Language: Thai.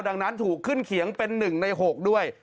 ดังนั้นถูกขึ้นเขียงเป็น๑ใน๖ด้วย